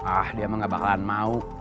ah dia mah gak bakalan mau